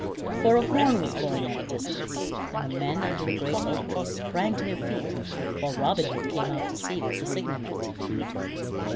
For a horn was blown at a distance, and the men under the great oak tree sprang to their feet, while Robin Hood came out to see what the signal meant.